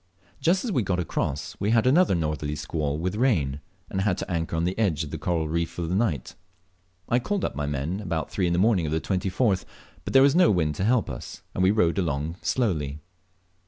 Just as we got across we had another northerly squall with rain, and had to anchor on the edge of a coral reef for the night. I called up my men about three on the morning of the 24th, but there was no wind to help us, and we rowed along slowly.